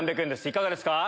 いかがですか？